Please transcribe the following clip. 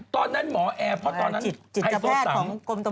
ตอนนั้นหมอแอร์เพราะตอนนั้นไฮโซสำ